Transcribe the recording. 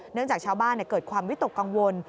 จากชาวบ้านเกิดความวิตกกังวล